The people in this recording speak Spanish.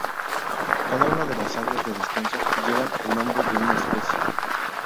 Cada una de las áreas de descanso llevan el nombre de una especie.